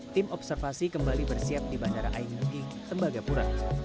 tim observasi kembali bersiap di bandara ainugi tembagapura